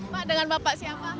pak dengan bapak siapa